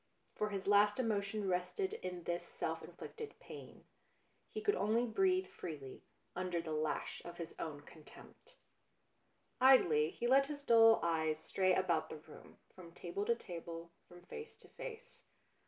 For his last emotion rested in this self inflicted pain ; he could only breathe freely under the lash of his own contempt. Idly he let his dull eyes stray about the room, from table to table, from face to face.